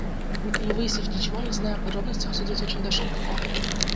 Не выяснив ничего, не зная о подробностях судить очень даже легко.